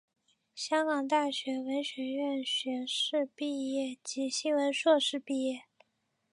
香港大学文学院学士毕业及新闻硕士毕业。